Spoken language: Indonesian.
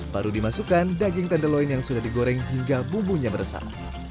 baru dimasukkan daging tenderloin yang sudah digoreng hingga bumbunya meresap